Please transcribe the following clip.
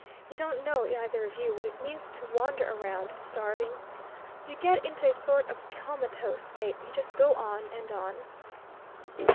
You don't know, either of you, what it means to wander round, starving. You get into a sort of comatose state you just go on and on.